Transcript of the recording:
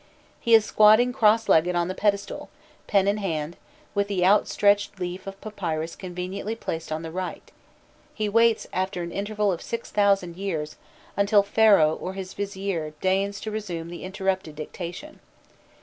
He is squatting cross legged on the pedestal, pen in hand, with the outstretched leaf of papyrus conveniently placed on the right: he waits, after an interval of six thousand years, until Pharaoh or his vizier deigns to resume the interrupted dictation.